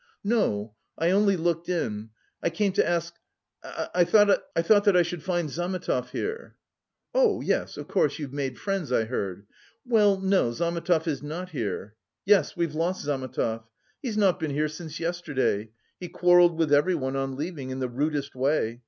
"No, I only looked in... I came to ask... I thought that I should find Zametov here." "Oh, yes! Of course, you've made friends, I heard. Well, no, Zametov is not here. Yes, we've lost Zametov. He's not been here since yesterday... he quarrelled with everyone on leaving... in the rudest way.